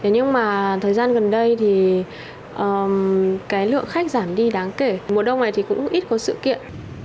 nhưng mà thời gian gần đây thì cái lượng khách giảm đi đáng kể mùa đông này thì cũng ít có sự kiện